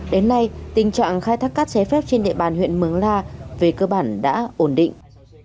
đến nay tình trạng khai thác cát chế phép trên địa bàn huyện mường la về cơ bản đã ổn định